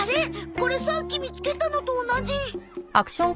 これさっき見つけたのと同じ。